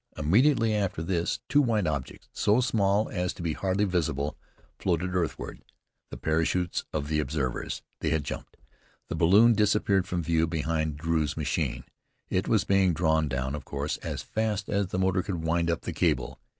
Immediately after this two white objects, so small as to be hardly visible, floated earthward: the parachutes of the observers. They had jumped. The balloon disappeared from view behind Drew's machine. It was being drawn down, of course, as fast as the motor could wind up the cable.